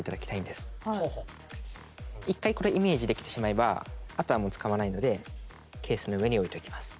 一回これイメージできてしまえばあとはもう使わないのでケースの上に置いておきます。